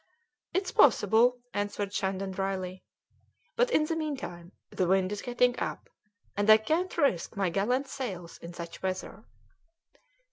"It's possible," answered Shandon drily; "but in the meantime the wind is getting up, and I can't risk my gallant sails in such weather."